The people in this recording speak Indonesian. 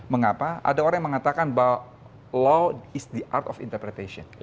mengapa ada orang yang mengatakan bahwa law is the art of interpretation